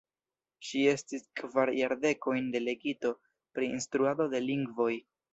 Ŝi estis kvar jardekojn delegito pri instruado de lingvoj.